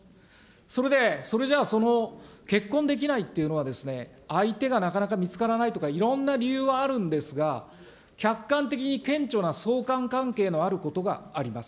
それでそれじゃあその結婚できないっていうのは、相手がなかなか見つからないとか、いろんな理由はあるんですが、客観的に顕著な相関関係のあることがあります。